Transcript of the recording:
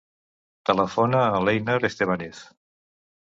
Telefona a l'Einar Estebanez.